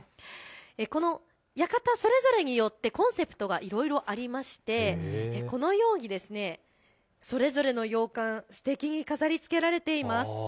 この館、それぞれによってコンセプトがありましてこのようにそれぞれの洋館すてきに飾りつけられています。